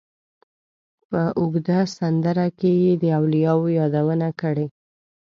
په اوږده سندره کې یې د اولیاوو یادونه کړې.